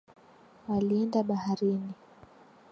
Walienda baharini.